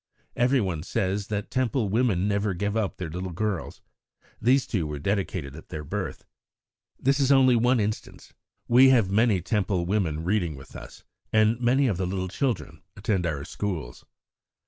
Everyone says that Temple women never give up their little girls. These two were dedicated at their birth. This is only one instance. We have many Temple women reading with us, and many of the little children attend our schools."